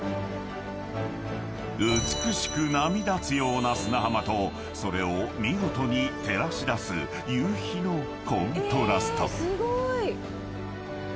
［美しく波立つような砂浜とそれを見事に照らし出す夕陽のコントラスト］